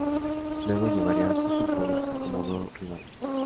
Luego llevaría su fútbol a Comodoro Rivadavia.